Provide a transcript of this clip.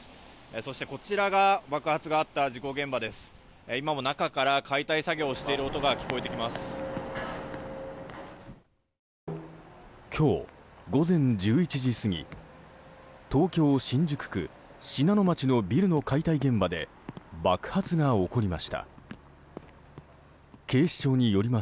そして、こちらが爆発があった事故現場です。